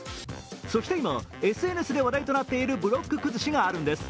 そして今ＳＮＳで話題となっているブロック崩しがあるんです。